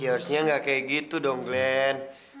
ya harusnya nggak kayak gitu dong glenn